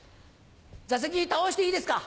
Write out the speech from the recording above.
座席倒していいですか？